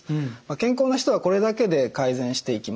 健康な人はこれだけで改善していきます。